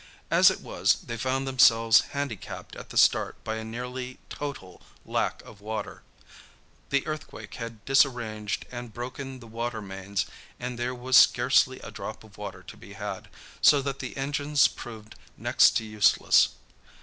As it was, they found themselves handicapped at the start by a nearly total lack of water. The earthquake had disarranged and broken the water mains and there was scarcely a drop of water to be had, so that the engines proved next to useless.